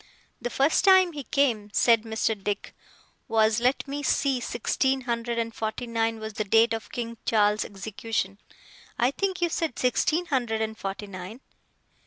'The first time he came,' said Mr. Dick, 'was let me see sixteen hundred and forty nine was the date of King Charles's execution. I think you said sixteen hundred and forty nine?